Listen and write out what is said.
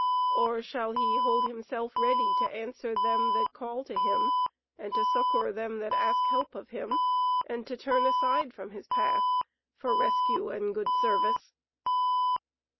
Or shall he hold himself ready to answer them that call to him, and to succour them that ask help of him, and to turn aside from his path for rescue and good service?"